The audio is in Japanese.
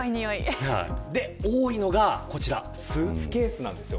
多いのがこちらスーツケースです。